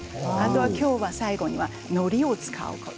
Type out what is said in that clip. きょうは最後にはのりを使います。